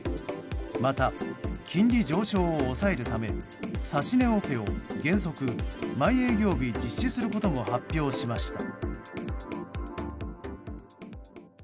また、金利上昇を抑えるため指値オペを原則、毎営業日実施することも発表しました。